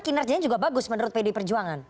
kinerjanya juga bagus menurut pd perjuangan